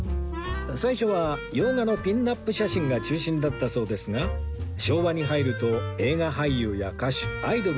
最初は洋画のピンナップ写真が中心だったそうですが昭和に入ると映画俳優や歌手アイドルを中心に撮影